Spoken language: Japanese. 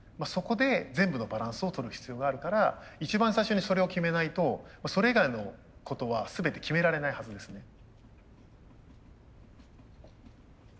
そこで全部のバランスをとる必要があるから一番最初にそれを決めないとそれ以外のことは全て決められないはずですね。